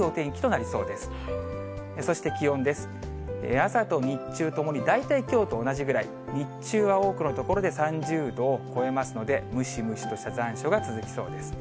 朝と日中ともに大体きょうと同じぐらい、日中は多くの所で３０度を超えますので、ムシムシとした残暑が続きそうです。